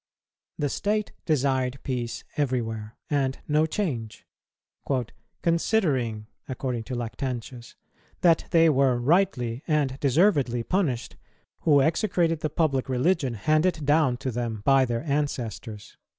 The state desired peace everywhere, and no change; "considering," according to Lactantius, "that they were rightly and deservedly punished who execrated the public religion handed down to them by their ancestors."